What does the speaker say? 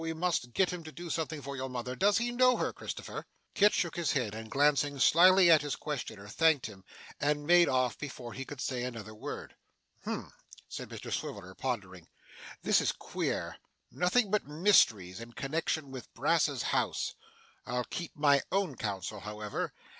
We must get him to do something for your mother. Does he know her, Christopher?' Kit shook his head, and glancing slyly at his questioner, thanked him, and made off before he could say another word. 'Humph!' said Mr Swiveller pondering, 'this is queer. Nothing but mysteries in connection with Brass's house. I'll keep my own counsel, however.